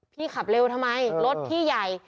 ขับเร็วทำไมรถพี่ใหญ่